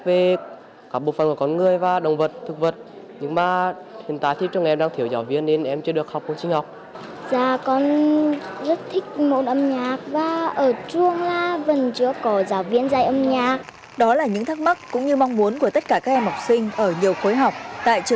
vậy nguyên nhân vì sao